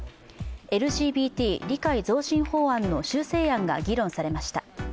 ＬＧＢＴ理解増進法案の修正案が議論されました。